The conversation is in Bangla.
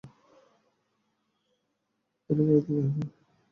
মলি, গাড়ি থেকে বের হও।